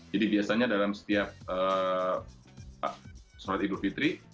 jadi biasanya dalam setiap sholat yudhru fitri